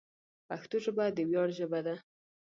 پښتو ژبه د ویاړ ژبه ده.